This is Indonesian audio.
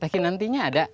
teh kinanti nya ada